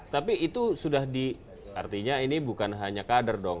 tapi itu sudah di artinya ini bukan hanya kader dong